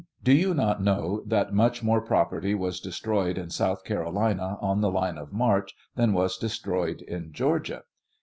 Do you not know that much more property was destroyed in South Carolina on the line of march than was destroyed in Georgia